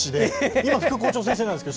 今、副校長先生なんですけど。